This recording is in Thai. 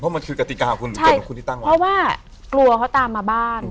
มันคือกติกาคุณที่ตั้งไว้เพราะว่ากลัวเขาตามมาบ้าน